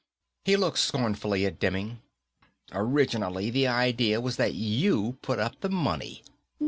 He looked scornfully at Demming. "Originally, the idea was that you put up the money.